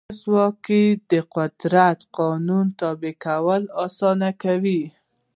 ولسواکي د قدرت د قانون تابع کول اسانه کوي.